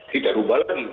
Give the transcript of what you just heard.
kita rubah lagi